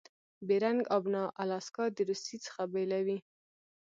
بیرنګ آبنا الاسکا د روسي څخه بیلوي.